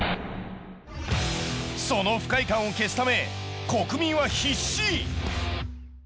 その不快感を消すため国民は必死。